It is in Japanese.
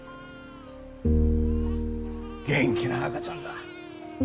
元気な赤ちゃんだ。